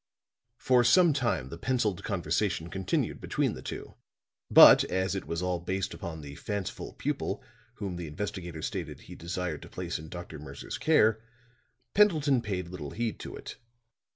For some time the penciled conversation continued between the two; but as it was all based upon the fanciful pupil whom the investigator stated he desired to place in Dr. Mercer's care, Pendleton paid little heed to it.